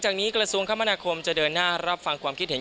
ข้ารักษูงข้ามโมนาคมจะเดินหน้ารับฟังความคิดเห็น